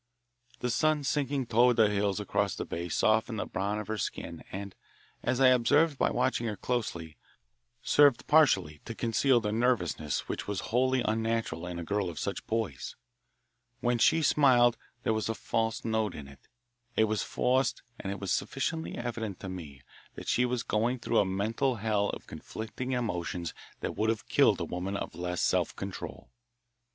The sun sinking toward the hills across the bay softened the brown of her skin and, as I observed by watching her closely, served partially to conceal the nervousness which was wholly unnatural in a girl of such poise. When she smiled there was a false note in it; it was forced and it was sufficiently evident to me that she was going through a mental hell of conflicting emotions that would have killed a woman of less self control.